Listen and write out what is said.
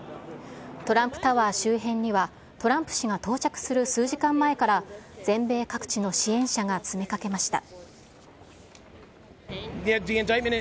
トランプタワー周辺には、トランプ氏が到着する数時間前から、全米各地の支援者が詰めかけました。